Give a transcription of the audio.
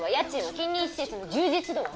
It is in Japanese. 近隣施設の充実度は？